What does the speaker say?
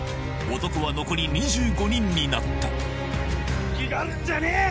男は残り２５人になったいきがるんじゃねえ！